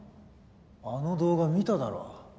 あの動画見ただろ。